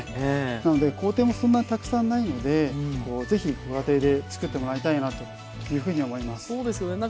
なので工程もそんなにたくさんないのでぜひご家庭で作ってもらいたいなというふうに思います。